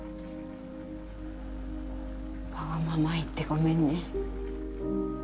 わがまま言ってごめんね。